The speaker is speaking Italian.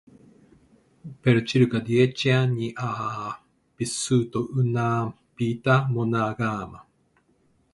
Per circa dieci anni ha vissuto una vita monogama.